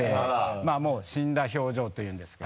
まぁもう死んだ表情っていうんですか？